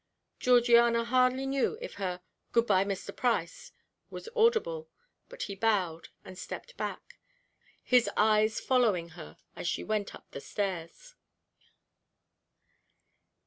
Georgiana hardly knew if her "Good bye, Mr. Price," was audible; but he bowed, and stepped back, his eyes following her as she went up the stairs.